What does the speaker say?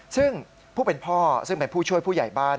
ซึ่งผู้เป็นพ่อซึ่งเป็นผู้ช่วยผู้ใหญ่บ้าน